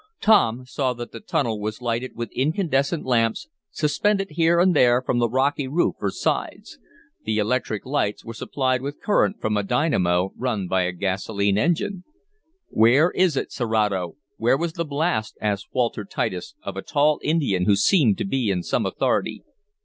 Tom saw that the tunnel was lighted with incandescent lamps, suspended here and there from the rocky roof or sides. The electric lights were supplied with current from a dynamo run by a gasoline engine. "Where is it, Serato? Where was the blast?" asked Walter Titus, of a tall Indian, who seemed to be in some authority.